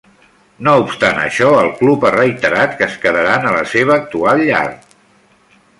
No obstant això, el club ha reiterat que es quedaran a la seva actual llar.